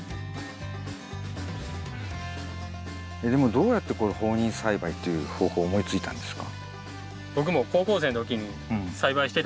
どうやってこれ放任栽培っていう方法を思いついたんですか？